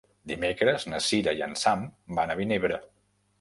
Dimecres na Sira i en Sam van a Vinebre.